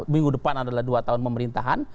minggu depan adalah dua tahun pemerintahan